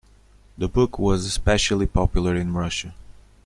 The book was especially popular in Russia.